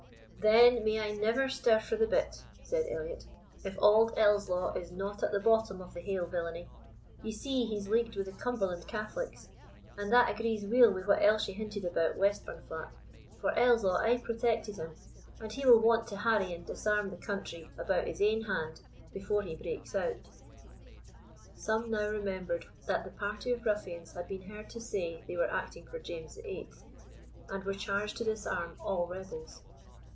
"Then, may I never stir frae the bit," said Elliot, "if auld Ellieslaw is not at the bottom o' the haill villainy! Ye see he's leagued wi' the Cumberland Catholics; and that agrees weel wi' what Elshie hinted about Westburnflat, for Ellieslaw aye protected him, and he will want to harry and disarm the country about his ain hand before he breaks out." Some now remembered that the party of ruffians had been heard to say they were acting for James VIII., and were charged to disarm all rebels.